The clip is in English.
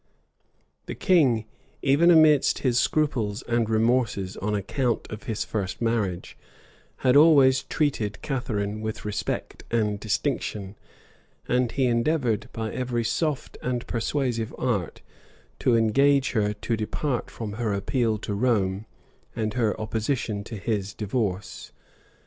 [] The king, even amidst his scruples and remorses on account of his first marriage, had always treated Catharine with respect and distinction; and he endeavored, by every soft and persuasive art, to engage her to depart from her appeal to Rome, and her opposition to his divorce.